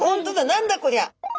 何だこりゃ！